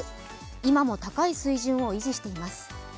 今も高い水準を維持しています。